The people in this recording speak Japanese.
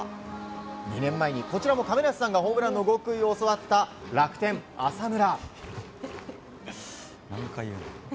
２年前に、こちらも亀梨さんがホームランの極意を教わった楽天、浅村。